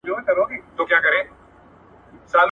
له کثافاتو ځان وساته